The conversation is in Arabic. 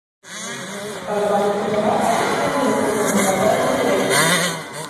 قَالَ بَعْضُ الْحُكَمَاءِ الْإِحْسَانُ رِقٌّ ، وَالْمُكَافَأَةُ عِتْقٌ